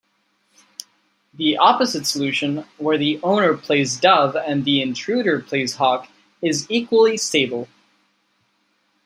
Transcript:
The opposite solution-where the owner plays dove and the intruder plays Hawk-is equally stable.